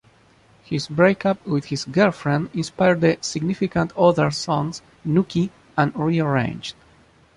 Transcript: His breakup with his girlfriend inspired the "Significant Other" songs "Nookie" and "Re-Arranged".